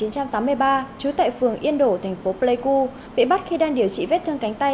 trú tại phường yên đổ thành phố pleiku bị bắt khi đang điều trị vết thương cánh tay